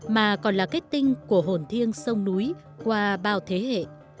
mà còn là kết tinh của hồn thiêng sông núi qua bao thế hệ